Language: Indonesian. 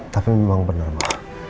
tapi memang benar ma